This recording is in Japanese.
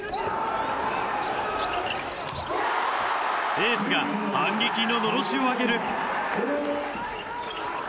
エースが反撃ののろしを上げる。